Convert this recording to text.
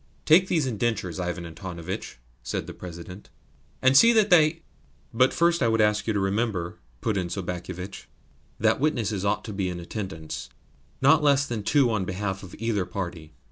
"Take these indentures, Ivan Antonovitch," said the President, "and see that they " "But first I would ask you to remember," put in Sobakevitch, "that witnesses ought to be in attendance not less than two on behalf of either party.